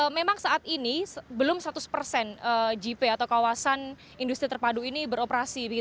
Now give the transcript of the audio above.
memang saat ini belum seratus persen jip atau kawasan industri terpadu ini beroperasi